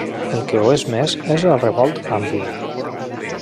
El que ho és més és el Revolt Ample.